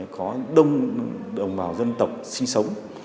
có đông đồng bào dân tộc sinh sống